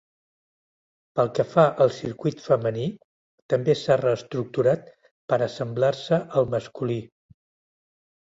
Pel que fa al circuit femení, també s'ha reestructurat per assemblar-se al masculí.